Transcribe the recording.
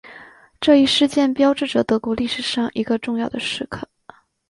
这一事件标志着德国历史上一个重要的时刻。